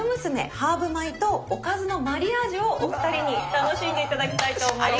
ハーブ米とおかずのマリアージュをお二人に楽しんで頂きたいと思います。